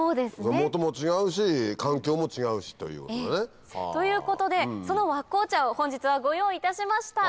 もとも違うし環境も違うし。ということでその和紅茶を本日はご用意いたしました。